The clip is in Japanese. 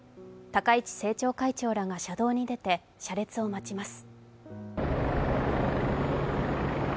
高市政調会長らが車道に出て車列を待ちます。